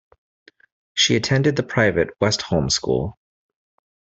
She attended the private Westholme School.